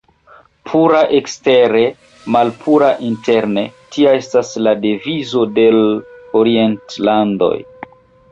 Pura ekstere, malpura interne, tia estas la devizo de l' orientlandoj.